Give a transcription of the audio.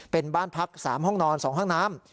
เป็นบ้านพัก๓ห้องนอน๒ห้องน้ำ